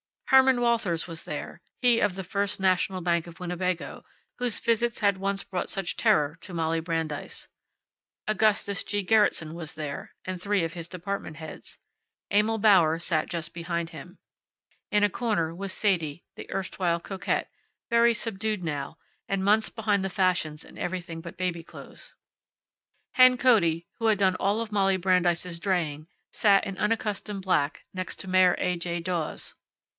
Herman Walthers was there, he of the First National Bank of Winnebago, whose visits had once brought such terror to Molly Brandeis. Augustus G. Gerretson was there, and three of his department heads. Emil Bauer sat just behind him. In a corner was Sadie, the erstwhile coquette, very subdued now, and months behind the fashions in everything but baby clothes. Hen Cody, who had done all of Molly Brandeis's draying, sat, in unaccustomed black, next to Mayor A. J. Dawes.